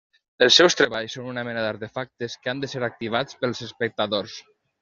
Els seus treballs són una mena d'artefactes que han de ser activats pels espectadors.